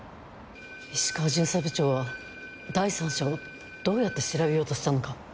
石川巡査部長は第三者をどうやって調べようとしたのか。